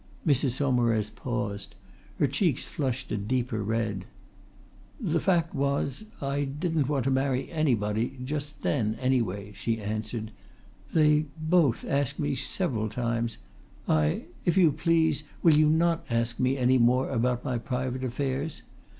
Mrs Saumarez paused. Her cheeks flushed a deeper red. "The fact was I didn't want to marry anybody just then anyway," she answered. "They both asked me several times. I if you please, will you not ask me any more about my private affairs?